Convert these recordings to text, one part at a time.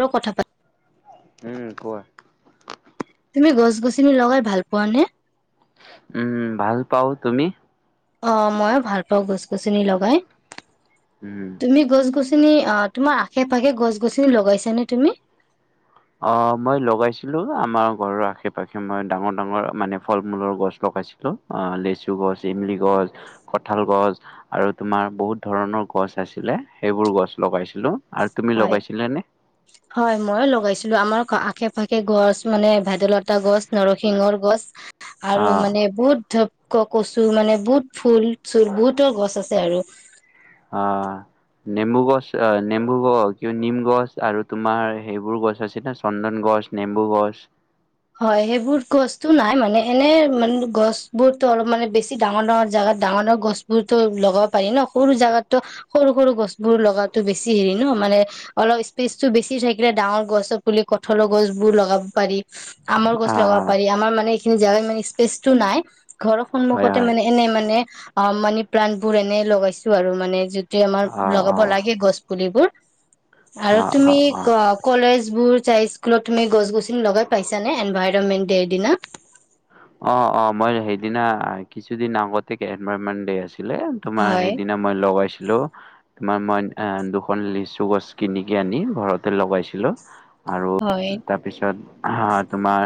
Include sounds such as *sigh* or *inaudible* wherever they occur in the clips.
ৰ কথা পাত উম কোৱা তুমি গছ গছনি লগাই ভাল পোৱা নে? উম ভাল পাও তুমি অ মই ভাল পাওঁ গছ গছনি লগাই উম। তুমি গছ গছনি তুমি অ তোমাৰ আশে পাশে গছ গছনি লগাইছা নে তুমি? অ মই লগাইছিলো আমাৰ ঘৰৰ আশে পাশে মই ডাঙৰ ডাঙৰ মানে ফল মূলৰ গছ লগাইছিলো অ লেচু গছ, ইমলি গছ, কঠাল গছ আৰু তোমাৰ বহুত ধৰণৰ গছ আছিলে সেইবোৰ গছ লগাইছিলো আৰু তুমি হয় লগাইছিলানে? হয় মইয়ো লগাইছো ছিলো আমাৰ আশে পাশে গছ মানে ভেদলতা গছ নৰসিংহৰ গছ আৰু অ' মানে বহুত ধ ক কচু মানে বহুত ফুল চুল বহুতৰ গছ আছে আৰু অ নেম্বু গছ আহ নেম্বু গ কিয় নিম গছ আৰু তোমাৰ সেইবোৰ গছ আছে ন চন্দন গছ নেম্বু গছ হয় সেইবোৰ গছতো নাই মানে এনে মানে গছ বোৰতো অলপ মানে বেছি ডাঙৰ ডাঙৰ জোগাত ডাঙৰ ডাঙৰ গছ বোৰতো লগাব পাৰি ন সৰু জেগাতো সৰু সৰু গছ বোৰ লগাটো বেছি হেৰি ন মানে অলপ স্পেচটো বেছি থাকিলে ডাঙৰ গছৰ পুলি কঠলৰ গছ বোৰ লগাব পাৰি। আমৰ গছ লগাব আহ পাৰি আমাৰ মানে খিনি জেগাত মানে স্পেচ টো নাই ঘৰৰ হয় সন্মুখতে হয় মানে এনেই মানে অ মানে প্ৰাণবোৰ এনেই লগাইছো আৰু মানে সেইটো আমাৰ অ' অ' লগাব লাগে গছ পুলিবোৰ আৰু অ' তুমি অ' অ'। ক কলেজ বোৰ চাই স্কুলত তুমি গছ গছনি লগাই পাইছানে এনভাইৰনমেণ্ট দে দিনা অ অ মই সেইদিনা কিছুদিন আগতে এনভাৰৰমেন্ট ডে আছি ছিলে তোমাৰ হয় সেইদিনা মই লগাইছিলো লো তোমাৰ মই এ দুখন লিচু গছ কিনিকে আনি ঘৰতে লগাইছিলো আৰু হয়। তাৰপিছত হা তোমাৰ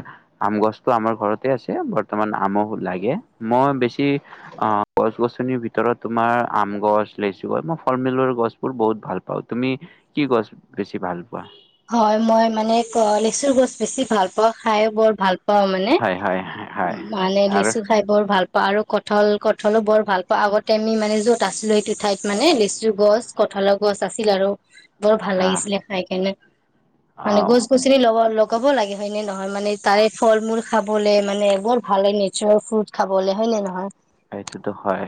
আম গছতো আমাৰ ঘৰত তে আছে বৰ্তমান আমো লাগে মই বেছি গছ-গছনিৰ ভিতৰত তোমাৰ আম গছ, লেচু গছ এই মই ফল-মূলৰ গছবোৰ বহুত ভাল পাওঁ। তুমি কি গছ বেছি ভাল পোৱা? হয় মই মানে লেচুৰ গছ বেছি ভাল পাওঁ। খাই বৰ- ভাল পাওঁ মানে হয়, হয়, হয় মানে আৰু লেচু খাই বৰ ভাল আৰু কঠাল কঠালো বৰ ভাল পাওঁ আগতে আমি মানে যত আছিলো সেইটো ঠাইত মানে লেচু গছ, কঠালৰ গছ আছিল আৰু বৰ ভাল অ', লাগিছিলে খাই কেনে মানে অ', গছ গছনি লগত লগাব লাগে হয় নে নহয় মানে তাৰে ফল মূল খাবলে মানে বৰ ভাল হয়। নেচাৰেল ফ্ৰুট খাবলে হয় নে নহয়। সেইটোতো হয়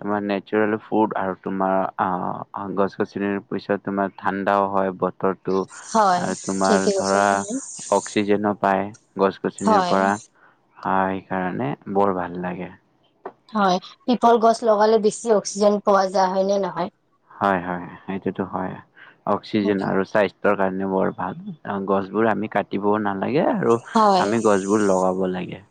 তোমাৰ নেচাৰেল ফুড আৰু তোমাৰ অ গছ গছনিৰ পিছত তোমাৰ ঠাণ্ডাও হয় বতৰ টো হয় আৰু তোমাৰ ঠিকে কৈছা ধৰা তুমি। অক্সিজেনো পায় গছ গছনিৰ হয় পৰা অ এই কাৰণে বৰ ভাল লাগে। হয় পিপল গছ লগালে বেছি অক্সিজেন পোৱা যায় হয় নে নহয়? হয় হয় সেইটোতো হয় অক্সিজেন আৰু স্বাস্থ কাৰণে বৰ ভাল গছ বোৰ আমি কাটিবও না লাগে আৰু হয় আমি গছবোৰ লগাব লাগে।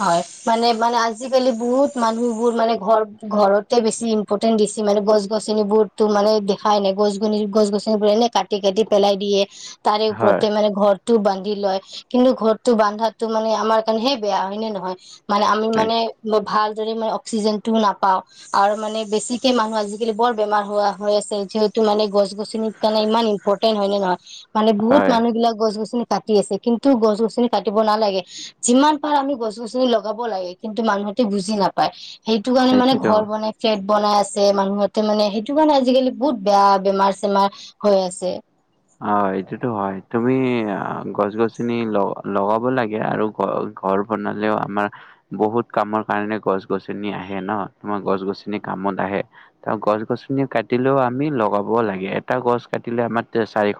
হয় মানে মানে আজিকালি বহুত মানুহবোৰ মানে ঘৰ ঘৰতে বেছি ইম্পৰ্টেন্ট দিছে মানে গছ গছনিবোৰতো মানে দেখাই নাই গছ গনি গছ গছনিবোৰ এনেই কাটি কাটি পেলাই দিয়ে। তাৰে হয় ওপৰতে মানে ঘৰ টো বান্ধি লয় কিন্তু ঘৰটো বান্ধাতো মানে আমাৰ কাৰণেহে বেয়া হয় নে নহয় মানে আমি হয় মানে বৰ ভাল যদি মানে অক্সিজেন টোও নাপাও আৰু মানে বেছিকে মানুহ আজিকালি বৰ বেমাৰ হোৱা হৈ আছে যিহেতু মানে গছ গছনিৰ কাৰণে ইমান ইম্পৰ্টেন্ট হয় নে নহয়! মানে বহুত হয় মানুহবিলাক গছ-গছনি কাটি আছে কিন্তু গছ গছনি কাটিব নালাগে যিমান পাৰা আমি গছ গছনি লগাব লাগে কিন্তু মানুহতে বুজি নাপায়। সেইটো কাৰণে মানে সেইটোতো ঘৰ হয় বনাইছে বনাই আছে মানুহতে মানে সেইটো কাৰণে আজিকালি বহুত বেয়া বেমাৰ চেমাৰ হৈ আছে অ এইটোতো হয় তুমি গছ গছনি লগাব লাগে আৰু ঘ ঘৰ বনালেও আমাৰ বহুত কামৰ কাৰণে গছ গছনি আহে ন। তোমাৰ গছ গছনি কামত আহে। ত গছ গছনি কাটিলেও আমি লগাব লাগে এটা গছ কাটিলে আমাৰ- তে চাৰিশ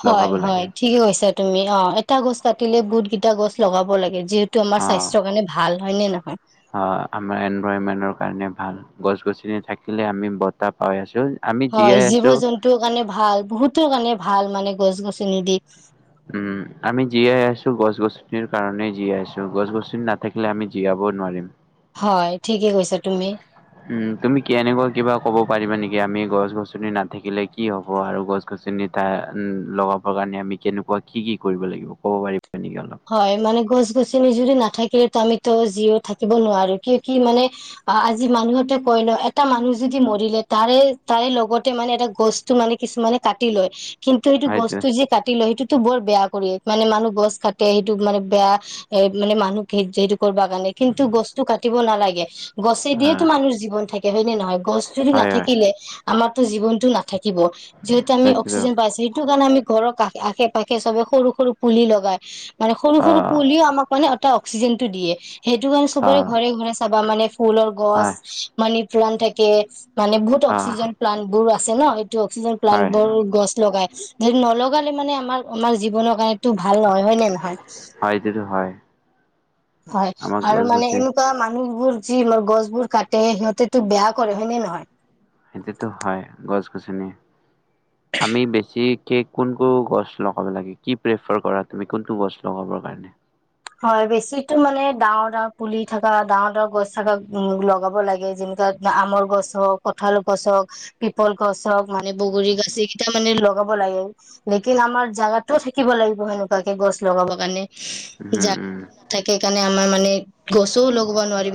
হয় হয় ঠিকে কৈছা তুমি অ এটা গছ কাতিলে বুত কেইটা গছ লগাব লাগে যিহেতু আমাৰ অ', স্বাস্থ্যৰ কাৰণে ভাল হয় নে নহয়? অ আমাৰ এনভাৰনমেন্টৰ কাৰণে ভাল। গছ গছনি থাকিলে আমি বতাহ পাই আছো। হয় জীৱ জন্তুৰ কাৰণে ভাল বহুতৰ কাৰণে ভাল মানে, গছ গছনি দি উম আমি জীয়াই আছো গছ গছনিৰ কাৰণে জীয়াই আছো গছ গছনি নাথাকিলে আমি জীয়াবও নোৱাৰিম। হয় ঠিকে কৈছে। উম তুমি কেনেকুৱা কিবা ক'ব পাৰিবা নেকি? আমি গছ গছনি নাথাকিলে কি হ'ব আৰু গছ গছনি তটা লগাব কাৰণে আমি কেনেকুৱা কি কি কৰিব লাগিব, ক'ব পাৰিব? হয় মানে গছ গছনি যদি নাথাকে ত আমিতো যিও থাকিব নোৱাৰো কিয় কি মানে আজি মানুহতে কয় ন এটা মানুহ যদি মৰিলে তাৰে তাৰে লগতে মানে এটা গছটো মানে কিছুমানে কাটি লয় কিন্তু সেইটো হয়তো গছতটো য যে কাটি লয় সেইটো, বৰ বেয়া কৰিয় মানে মানুহ গছ খাট সেইটো মানে বেয়া এ মানে মানুহ সেইটো কৰিব কাৰণে কিন্তু গছটো কাটিব নালাগে। গছে দিয়েতো অ', মানুহৰ জীৱন থাকে। কে হয় নে নহয়? গছজদি হয়, হয়, নাথাকিলে আমাৰতো জীৱনটো নাথাকে থাকিব, যিহেটো আমি হয়তো অক্সিজন পাইছো সেইটো কাৰণে আমি ঘৰৰ কা আশে পাশে চবে সৰু সৰু পুলি লগাই মানে সৰু অ', সৰু অ', পুলিও আমাক মানে এটা অক্সিজেন টো দিয়ে সেইটো কাৰণে সবৰে ঘৰে হয়, ঘৰে চাবা মানে ফুলৰ গছ মানে ফৰাণ থাকে মানে বহুত অ', অক্সিজেন প্লানট বোৰ আছে ন, অক্সিজেন প্লানট হয়, বৰ গছ লগাই যদি নলগালে মানে আমাৰ আমাৰ জীৱনৰ কাৰণো ভাল নহয় হয় নে নহয় হয় এইটোতটো হয়। হয় আমাক আৰু মানে গছ-গছনি এনেকুৱা মানুহ মোৰ যি ম গছ বোৰ কাটে সিহঁতে তো বেয়া কৰে হয়নে নহয়? সেইটোত হয় গছ গছনি, আমি বেছি কি কোন কো গছ লগাব লাগে? কি প্ৰেফাৰ কৰা তুমি কোনটো গছ লগাবৰ কাৰণে? হয় বেছিতো মানে ডাঙৰ ডাঙৰ পুলি থকা ডাঙৰ ডাঙৰ গছ থকা উ লগাব লাগে, যেনেুৱা আমৰ গছ হওক কঠাল গছ হওক পিপল গছ হওক মানে বগৰী গছ এইকেইটা মানে লগাব লাগে লেকিন আমাৰ জাগাতো থাকিব লাগিব সেনেকুৱাকে গছ লগাব কাৰণে। উম, জাগা উম, থাকে কাৰণ আমাৰ মানে গছও লগ আৰু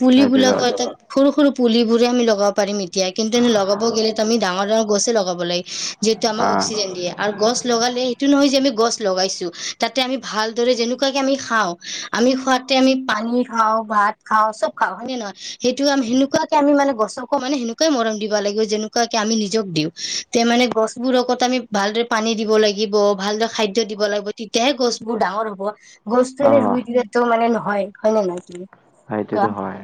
পুলি সেইটোতো বিলাকো ত সৰু সৰু পুলিবোৰে আমি লগাব পাৰিম এতিয়া কিন্তু এনে লগাব গ'লে আমি ডাঙৰ ডাঙৰ গছে লগাব লাগে। যিহেতু আমাক অ', অক্সিজেন দিয়ে আৰু গছ লগালে, সটো নহয় যে আমি গছ লগাইছো তাতে আমি ভালদৰে যেনেকুৱাকে আমি খাও, আমি খোৱাতে আমি পানী খাওঁ, ভাত খাওঁ চব খাওঁ হয়নে নহয়? সেইটো আ সেনেুৱাকে আমি মানে গছকো মানে সেনেকুৱাই মৰম দিব লাগিব যেনেকুৱাকে আমি নিজক দিওঁক। তেনেকুৱা মানে গছবোৰকত আমি ভালদৰে পানী দিব লাগিব। ভালদৰে খাদ্য দিব লাগিব তেতিয়াহে গছবোৰ ডাঙৰ হ'ব। গছটো এনে অ', ৰুই দিলেতো মানে নহ হয় হয়নে নাই কিনো সেই টো হয়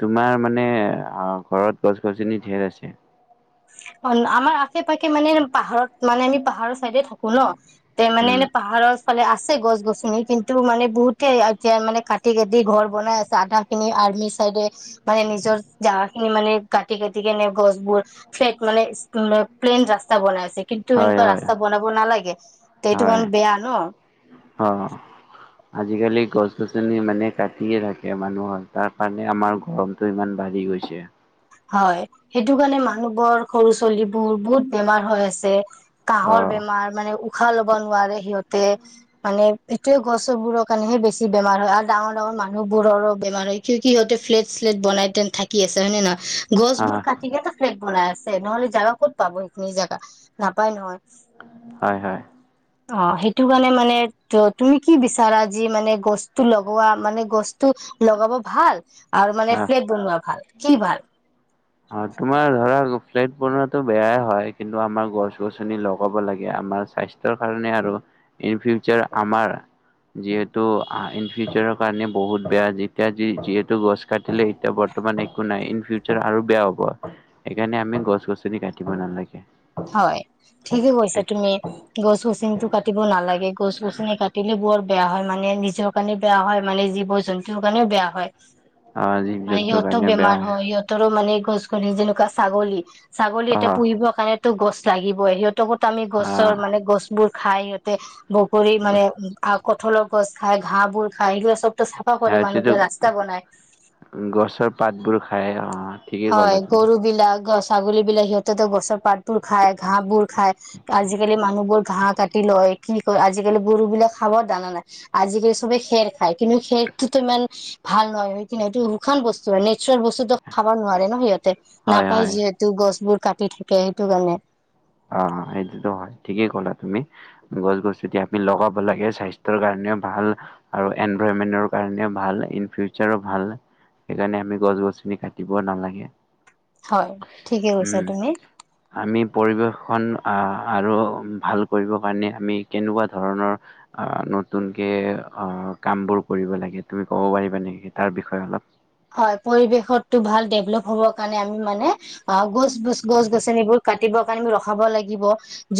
তোমাৰ মানে ঘৰত গছ গছনি ঢেৰ আছে অঁ আমাৰ আশে পাশে মানে পাহাৰত মানে আমি পাহাৰৰ চাইদে থাকো ন তে মানে উম এনে পাহাৰ মানে আছে গছ গছনি কিন্তু মানে বহুতে এতিয়া মানে কাটি কাটি ঘৰ বনাই আছে আধা খিনি আৰ্মি চাইডে মানে নিজৰ জাগা খিনি মানে কাটি কাটি কেনে গছবোৰ ফ্লেট মানে *unintelligible* প্লেন ৰাস্তা বনাই আছে কিন্তু হয় এনেকুৱা হয় ৰাস্তা বনাব নালাগে তে এইটো হয় কাম বেয়া ন অ আজিকালি গছ গছনি ইমানে কাটিয়ে থাকে মানুহৰ তাৰ কাৰণে আমাৰ গৰমতটো ইমান বাঢ়ি গৈছে হয় সেইটো কাৰণে মানুহবোৰ সৰু ছোৱালীবোৰ বহুত বেমাৰ হৈ আছে অ কাঁহৰ বেমাৰ মানে ও উশাহ ল'ব নোৱাৰে সিহঁতে মানে এইটোয়ে গছ বোৰৰ কৰণে হে বেছি বেমাৰ হয় আৰু ডাঙৰ ডাঙৰ মানুহ বোৰৰো বেমাৰ হয় কিয় কি সিহতে ফ্লেট চ্লেট বনাই থাকি আছে হয় নে নয় অ গছবোৰ কাটি কেট ফ্ৰেক বনাই আছে নহলে জাগা ক'ত পাব সেইখিনি জোগা নাপায় নহয় হয় হয় অ সেইটো কাৰণে মানে ত তুমি কি বিচাৰাজি মানে গছটো লগোৱা মানে গছ টো লগাব ভাল আৰু মানে অ ফ্লেট বনোৱা ভাল কি ভাল অ তোমাৰ ধৰা লোফ্লেট বনোৱাটো বেয়াই হয় কিন্তু আমাৰ গছ গছনি লগাব লাগে আমাৰ স্বাস্থ্যৰ কাৰণে আৰু ইন ফিউচাৰ আমাৰ যিহেতু অ ইন ফিউচাৰৰ কাৰণে বহুত বেয়া যেতিয়া যিহেতু গছ কাটিলে এতিয়া বৰ্তমান একো নাই ইন ফিউচাৰ আৰু বেয়া হ'ব সেইকাৰণে আমি গছ গছনি কাটিব নালাগে হয় ঠিকে কৈছা তুমি গছ গছিনটো কাটিব নালাগে গছ গছনি কাটিলে বৰ বেয়া হয় মানে নিজৰ কাৰণে বেয়া হয় মানে জীৱ জন্তুৰ কাৰণেও বেয়া হয় অ জীৱ মানে জন্তুৰ সিহঁত কাৰণে বেয়া বেমাৰ হয় সিহঁতৰো মানে গছ গনি যেনেকুৱা ছাগলী ছাগলী অ এতিয়া পুহিবৰ কাইপ টো গছ লাগিবয় সিহঁত ত আমি অ গছৰ মানে গছবোৰ খাই সিহঁতে বগুৰী মানে আউক কঠলৰ গছ খাই ঘাঁহ বোৰ খাই এইবিলা চব সিহঁতেটো গছৰ পাতবোৰ খায় অ ঠিকেই হয় ক'লা তুমি গৰু বিলাক গছ ছাগলী বিলাক সিহঁতেটো গছৰ পাত বোৰ খায় ঘাহবোৰ খাই আজিকালি মানুহ বোৰ ঘাহ কাটি লয় কি কয় আজিকালি গৰু বিলাক খাব দানা নাই আজিকালি সবে খেৰ খায় কিন্তু খেৰটোতো ইমান ভাল নহয় হয় কি এইটো শুশান বস্তু হয় নেচাৰেল বস্তু খাব নোৱাৰে ন সিহঁতে হয় নাপায় হয় যিহেতু গছ বোৰ। কাটি থাকে সেইটো কাৰণে। অ হ সেইটোতো হয় ঠিকেই ক'লা তুমি গছ গছ এতিয়া আমি লগাব লগে স্বাস্থ্যৰ কাৰণেও ভাল আৰু এনভাইৰনমেণ্টৰ কাৰণেও ভাল ইন ফিউচাৰ ও ভাল সেইকাৰণে আমি গছ গছনি কাটিব নালাগে। হয় ঠিকে কৈছা উম তুমি আমি পৰিৱেশখন আহ আৰু ভাল কৰিব কাৰণে আমি কেনেকুৱা ধৰণৰ আহ নতুনকৈ অ কামবোৰ কৰিব লাগে তুমি ক'ব পাৰিবা নেকি তাৰ বিষয়ে অলপ? হয় পৰিৱেশতো ভাল ডেভলপ হ'বৰ কাৰণে আমি মানে অ গছছ গছ গছনিবোৰ কাটিবৰ কাৰণে আমি ৰখাব লাগিব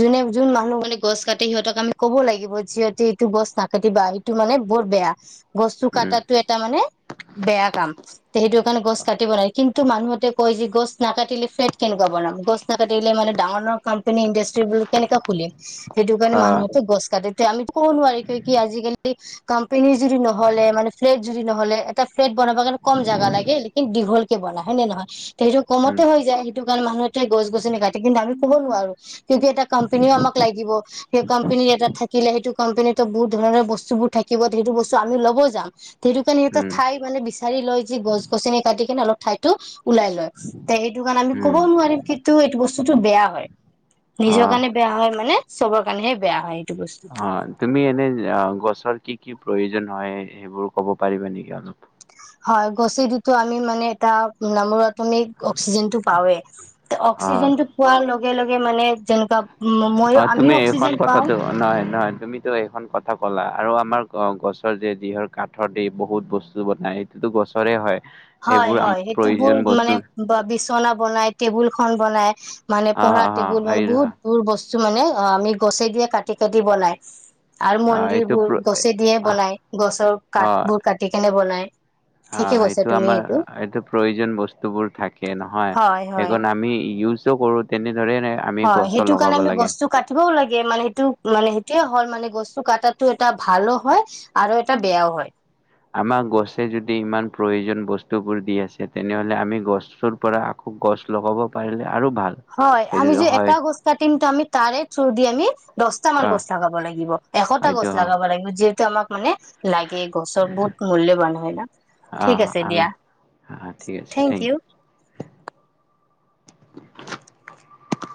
যোনে যোন মানুহ মানে গছ কাটি সিহঁতক আমি কব লাগিব যিহতে এইটো গছ নাকাটিবা সটো মানে বৰ বেয়া। বস্তু উম কটাটো এটা মানে বেয়া কাম। তে সেইটো কাৰণে গছ কাটিব নাই কিন্তু মানুহতে কয় যে গছ নাকাটিলে ফেট কেনেুৱা বনাম গছ নাকাটিলে মানে ডাঙৰ- ডাঙৰ কাম তেনে ইণ্ডাষ্ট্ৰীবোৰ কেনেকৈ খুলিম সেইটো কাৰণে অ মান গছ কাতিব আমি টো কব নোৱাৰি কি কি আজিকালি ক কোম্পানী যদি নহ'লে মানে ফ্ যদি নহলে এটা ফ্লেট বনাবা কাৰণে কম জাগা লাগে লকিন দীঘল কে বনা হয়নে নহয়। সেইটো উম কমতে হৈ যায় সেইটো কাৰণে মানুহ এতিয়া গছ গছ কাটি কিন্তু আমি ক'ব নোৱাৰো। কিন্তু এটা কম্পনীও আমাক লাগিব সেই কোম্পানীত এটা থাকিলে সেইটো কোম্পাননীতো বহুত ধৰণৰ বস্তু বোৰ থাকিব সেইটো বস্তু আমি ল'ব যাম সেইটো কাৰণে ইয়াতে উম ঠাই মানে বিশে লৈ যি গছ গছনি কাটি কিনে অলপ ঠাইতো ওলাই লয় তে সেইটো কাৰণে আমি উম ক'বও নোৱাৰিম কিন্তু এইটো বস্তু বস্তুটো বেয়া হয়। নিজৰ অ কাৰণে বেয়া হয় মানে। চবৰ কাৰণেহে বেয়া হয়। এইটো বস্তু অ ', তুমি এনে অ', গছৰ কি কি প্ৰয়োজন হয় সেইবোৰ ক'ব পাৰিবা নেকি অলপ? হয় ', গছি দিতো আমি মানে এটা নামৰত আমি অক্সিজেন টো পাৱৱে অ অক্সিজেন টো পোৱাৰ লগত লগে -লগে মানে যেনকা অ', তুমি এইখন কথা দ নহয় -নহয় তুমিতো এইখন কথা ক'লা আৰু আমাৰ গছৰ যে যিহৰ কাঠৰ দি বহুত বস্তু বনাই এইটোতো গছৰে হয়। হয় সেইবোৰ -হয় আমাৰ সেইটো বোৰ প্ৰয়োজন বস্তু মানে বিচনা বনাই টেবুল খন বনাই। মানে হা পঢ়া হা হা টেবুল সেইটো বহুত- বহুত বস্তু কিছু মানে অ', আমি গছে দিয়ে কাটি -কাটি বনাই। আৰু মন্দিৰ এইটো বোৰ হয় গছে দিয়ে বনাই গছৰ কাঠ বোৰ কাটি কেনে বনায়। অ ', সেইটো তাৰমানে সেইটো প্ৰয়োজন বস্তুবোৰ থাকে নহয় হয় হয়। হেকন আমি ইউছ কৰো তেনে হয় সেইটো কাৰণে আমি বস্তু কাটিবও লাগে মানে সেইটো- মানে সেইটো হল মানে গস্তু কটাটো এটা ভাল হয় আৰু এটা বেয়াও হয়। আমাক গছে যদি ইমান প্ৰয়োজন বস্তু বোৰ দি আছে তেনেহলে আমি গছৰ পৰা আকৌ গছ লগাব পাৰিলে আৰু ভাল হয়', আমি সেইটো যে হয় এটা গছ কাটিম তো আমি তাৰে থৰ‌অ দি আমি দহটামান অ গছ লগাব লাগিব এশটা গছ হয়টো অ লগাব লাগিব যিহেতু ত আমাক মানে লাগে গছৰ বহুত মূল্যবান হয় ন অ ঠিক আছে, দিয়া আমাৰ থেংক ইউ। *unintelligible*